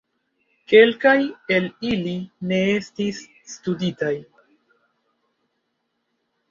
Kelkaj el ili ne estis studitaj.